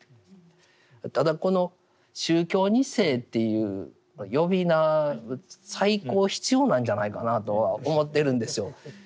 ただこの「宗教２世」っていう呼び名再考必要なんじゃないかなとは思ってるんですよ。